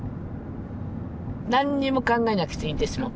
何にも考えなくていいんですもん